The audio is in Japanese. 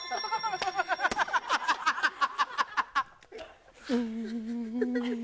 ハハハハ！